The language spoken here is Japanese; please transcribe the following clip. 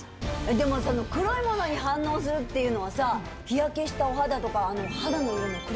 でもその黒いものに反応するっていうのはさ日焼けしたお肌とか。